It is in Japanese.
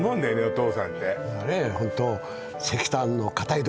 お父さんってねえ